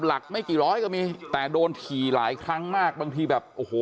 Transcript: หลักไม่กี่ร้อยก็มีแต่โดนถี่หลายครั้งมากบางทีแบบโอ้โห